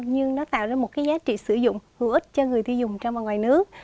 nhưng nó tạo ra một cái giá trị sử dụng hữu ích cho người tiêu dùng trong và ngoài nước